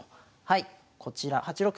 はいこちら８六